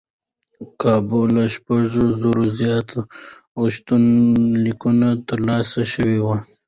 کابو له شپږ زرو زیات غوښتنلیکونه ترلاسه شوي و.